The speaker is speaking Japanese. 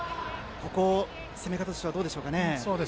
ここ、攻め方としてはどうでしょうかね？